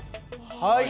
はい。